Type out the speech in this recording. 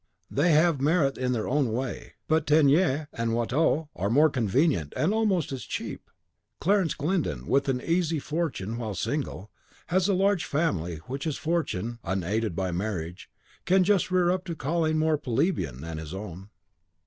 they have merit in their way; but Teniers and Watteau are more convenient, and almost as cheap. Clarence Glyndon, with an easy fortune while single, has a large family which his fortune, unaided by marriage, can just rear up to callings more plebeian than his own.